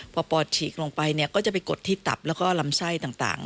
พอปอดฉีกลงไปเนี่ยก็จะไปกดที่ตับแล้วก็ลำไส้ต่าง